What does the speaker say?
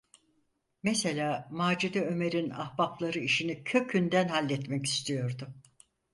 Mesela Macide Ömer’in ahbapları işini kökünden halletmek istiyordu.